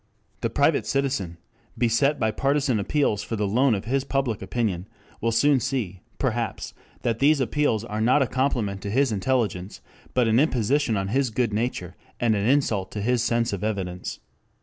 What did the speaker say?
The private citizen, beset by partisan appeals for the loan of his Public Opinion, will soon see, perhaps, that these appeals are not a compliment to his intelligence, but an imposition on his good nature and an insult to his sense of evidence.